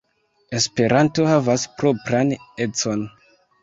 Esperanto havas propran econ.